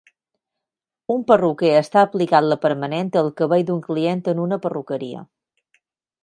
Un perruquer està aplicant la permanent al cabell d'un client en una perruqueria.